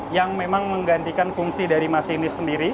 yang memang menggantikan fungsi dari mask ini sendiri